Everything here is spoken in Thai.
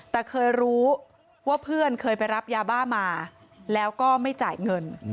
แต่เคยรู้ว่าเพื่อนเคยไปรับยาบ้ามาแล้วก็ไม่จ่ายเงิน